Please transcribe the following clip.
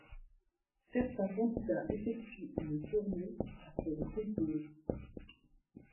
Certains candidats effectuent une tournée après le concours.